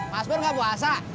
mas pur gak puasa